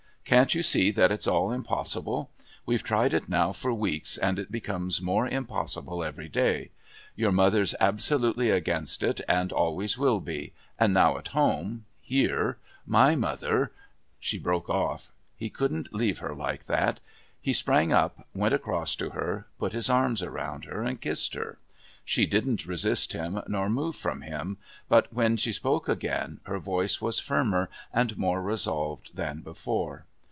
"Can't you see that it's all impossible? We've tried it now for weeks and it becomes more impossible every day. Your mother's absolutely against it and always will be and now at home here my mother " She broke off. He couldn't leave her like that; he sprang up, went across to her, put his arms around her, and kissed her. She didn't resist him nor move from him, but when she spoke again her voice was firmer and more resolved than before.